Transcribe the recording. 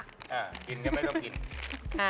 กินก็ไม่ต้องกินค่ะ